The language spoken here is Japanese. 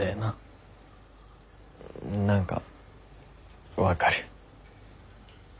何か分かる。